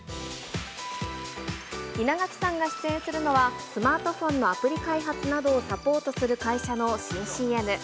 稲垣さんが出演するのは、スマートフォンのアプリ開発などをサポートする会社の新ＣＭ。